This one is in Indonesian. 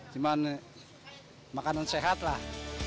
cuman makanan sehat lah